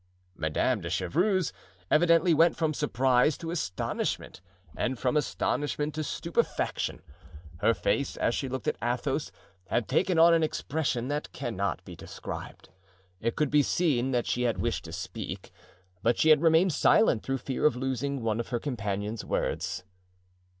'" Madame de Chevreuse evidently went from surprise to astonishment, and from astonishment to stupefaction. Her face, as she looked at Athos, had taken on an expression that cannot be described. It could be seen that she had wished to speak, but she had remained silent through fear of losing one of her companion's words.